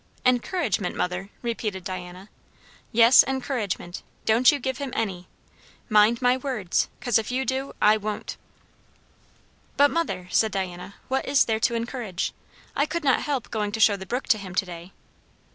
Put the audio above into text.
"Encouragement, mother!" repeated Diana. "Yes, encouragement. Don't you give him any. Mind my words. 'Cause, if you do, I won't!" "But, mother!" said Diana, "what is there to encourage? I could not help going to show the brook to him to day."